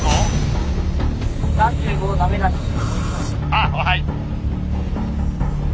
あっはい。